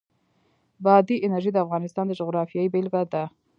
بادي انرژي د افغانستان د جغرافیې بېلګه ده.